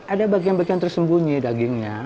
ada bagian bagian tersembunyi dagingnya